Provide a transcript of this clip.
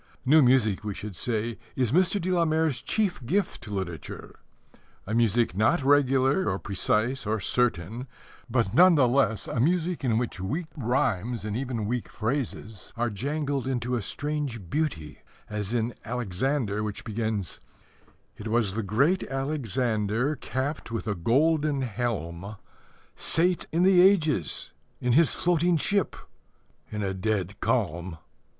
New music, we should say, is Mr. de la Mare's chief gift to literature a music not regular or precise or certain, but none the less a music in which weak rhymes and even weak phrases are jangled into a strange beauty, as in Alexander, which begins: It was the Great Alexander, Capped with a golden helm, Sate in the ages, in his floating ship, In a dead calm.